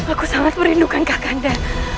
aku sangat merindukan kakande